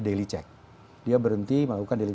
daily check dia berhenti melakukan daily